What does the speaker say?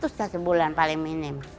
pokoknya enam ratus deh sebulan paling minim